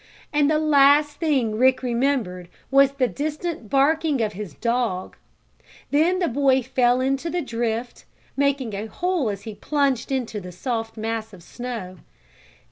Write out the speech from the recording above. And the last thing Rick remembered was the distant barking of his dog. Then the boy fell into the drift, making a hole as he plunged into the soft mass of snow.